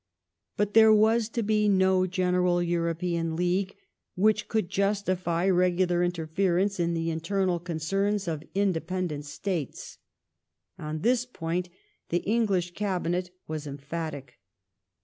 ^ ""TBut there was to be no general European J lleague which could justify regular interference in the internal con ' cerns of independent States. On this point the English Cabinet was emphatic.